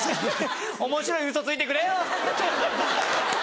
おもしろいウソついてくれよ。